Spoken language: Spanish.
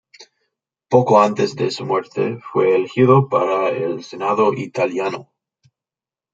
Poco antes de su muerte, fue elegido para el Senado italiano.